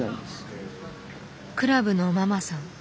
クラブのママさん。